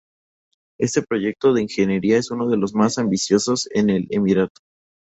Este proyecto de ingeniería es uno de los más ambiciosos en el emirato.